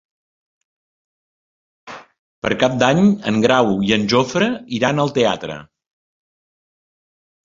Per Cap d'Any en Grau i en Jofre iran al teatre.